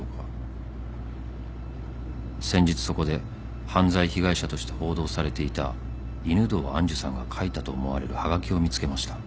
「先日そこで犯罪被害者として報道されていた犬堂愛珠さんが書いたと思われるはがきを見つけました」